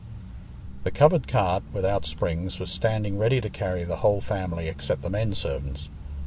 The covered cart, without springs, was standing ready to carry the whole family except the men servants.